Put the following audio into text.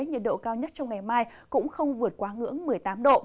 nhiệt độ cao nhất trong ngày mai cũng không vượt quá ngưỡng một mươi tám độ